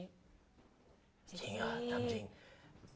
จริงเหรอถามจริง